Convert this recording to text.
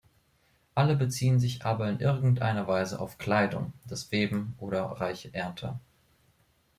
Alle beziehen sich aber in irgendeiner Weise auf Kleidung, das Weben oder reiche Ernte.